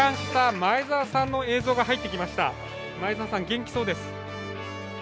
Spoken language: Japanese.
前澤さん、元気そうです。